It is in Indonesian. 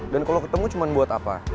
dan kalau ketemu cuma buat apa